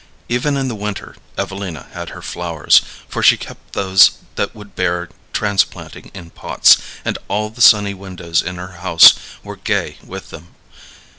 Even in the winter Evelina had her flowers, for she kept those that would bear transplanting in pots, and all the sunny windows in her house were gay with them.